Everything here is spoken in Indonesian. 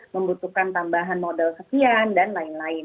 membutuhkan tambahan modal sekian dan lain lain